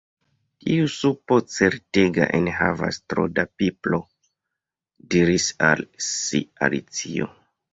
"Tiu supo certege enhavas tro da pipro," diris al si Alicio.